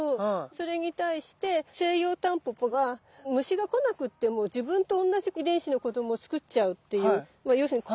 それに対してセイヨウタンポポは虫が来なくっても自分と同じ遺伝子の子どもを作っちゃうっていう。